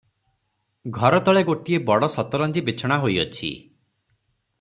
ଘରତଳେ ଗୋଟିଏ ବଡ଼ ଶତରଞ୍ଜି ବିଛଣା ହୋଇଅଛି ।